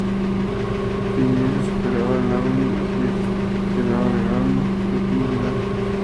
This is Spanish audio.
Piñera superaba a Lavín y Hirsch quedaba relegado al último lugar.